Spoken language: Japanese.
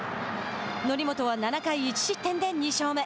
則本は７回１失点で２勝目。